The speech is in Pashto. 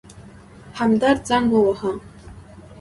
همدرد زنګ وواهه.